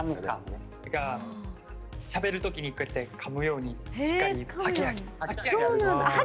しゃべるときにこうやってかむようにしっかりハキハキ。